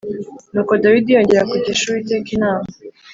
Nuko Dawidi yongera kugisha Uwiteka inama